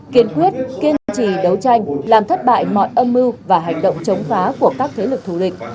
kiên quyết kiên trì đấu tranh làm thất bại mọi âm mưu và hành động chống phá của các thế lực thù địch